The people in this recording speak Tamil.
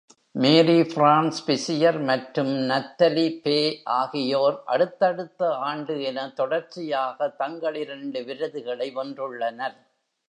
மேரி-பிரான்ஸ் பிசியர் மற்றும் நத்தலி பே ஆகியோர் அடுத்தடுத்த ஆண்டு என தொடர்ச்சியாக தங்கள் இரண்டு விருதுகளை வென்றுள்ளனர்.